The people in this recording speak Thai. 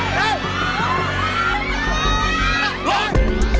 สวัสดีครับ